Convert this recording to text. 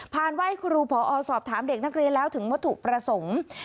ไหว้ครูพอสอบถามเด็กนักเรียนแล้วถึงวัตถุประสงค์